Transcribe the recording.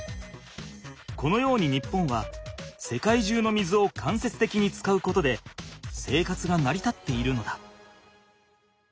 このように日本は世界中の水を間接的に使うことで生活がなりたっているのだ。